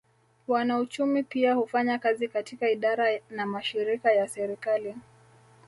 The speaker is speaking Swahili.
Wanauchumi pia hufanya kazi katika idara na mashirika ya serikali